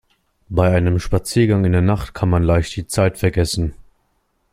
Bei einem Spaziergang in der Nacht kann man leicht die Zeit vergessen.